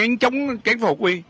anh chống tránh phủ quy